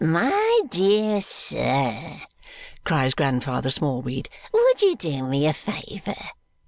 "My dear sir," cries Grandfather Smallweed, "would you do me a favour?